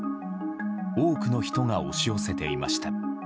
多くの人が押し寄せていました。